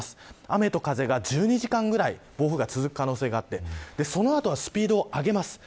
雨と風が１２時間ぐらい暴風が続く可能性があってその後がスピードを上げます。